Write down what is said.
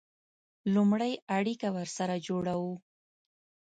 لومړی اړیکه ورسره جوړوو.